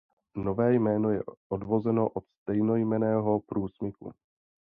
Nové jméno je odvozeno od stejnojmenného průsmyku.